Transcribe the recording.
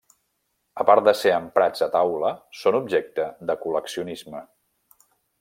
A part de ser emprats a taula, són objecte de col·leccionisme.